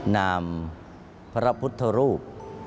นามพระพุทธรูป